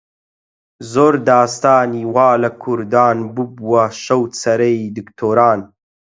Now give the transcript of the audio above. زۆر داستانی وا لە کوردان ببووە شەوچەرەی دکتۆران